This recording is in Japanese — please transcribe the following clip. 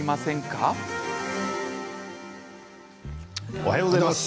おはようございます。